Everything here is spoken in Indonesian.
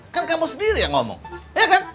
kan kamu sendiri yang ngomong ya kan